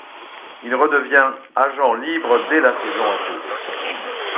Il redevient agent libre dès la saison achevée.